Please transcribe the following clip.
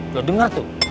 lo dengar tuh